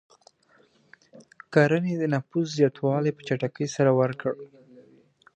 کرنې د نفوس زیاتوالی په چټکۍ سره ورکړ.